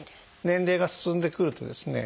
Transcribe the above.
年齢が進んでくるとですね